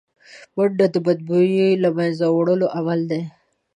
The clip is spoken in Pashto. منډه د بدبویو له منځه وړو عمل دی